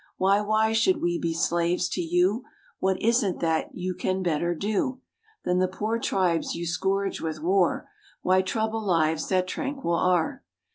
Why, why should we be slaves to you? What is't that you can better do Than the poor tribes you scourge with war? Why trouble lives that tranquil are?